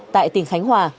tại tỉnh khánh hòa